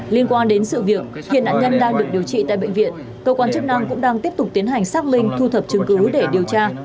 liên quan đến sự việc hiện nạn nhân đang được điều trị tại bệnh viện cơ quan chức năng cũng đang tiếp tục tiến hành xác minh thu thập chứng cứ để điều tra